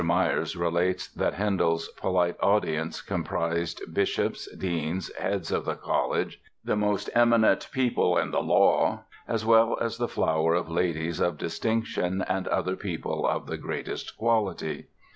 Myers relates that "Handel's 'polite' audience comprised 'Bishops, Deans, Heads of the Colledge, the most eminent People in the Law, as well as the Flower of Ladyes of Distinction and other People of the greatest quality.